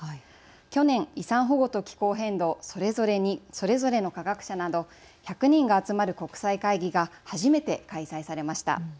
去年、遺産保護と気候変動それぞれの科学者など１００人が集まる国際会議が初めて開催されました。